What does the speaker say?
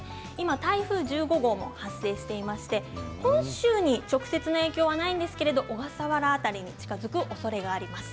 台風１５号も発生していまして本州に直接の影響はないんですけれども小笠原辺りに近づくおそれがあります。